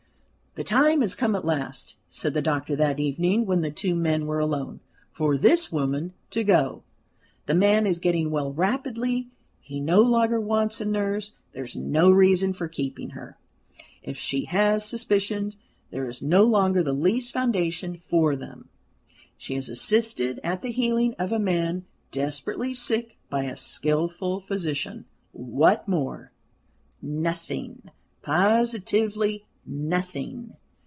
"The time has come at last," said the doctor that evening, when the two men were alone, "for this woman to go. The man is getting well rapidly, he no longer wants a nurse; there is no reason for keeping her. If she has suspicions there is no longer the least foundation for them; she has assisted at the healing of a man desperately sick by a skilful physician. What more? Nothing positively nothing."